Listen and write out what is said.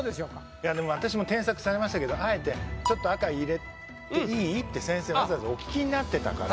いやでも私も添削されましたけどあえてって先生わざわざお聞きになってたから。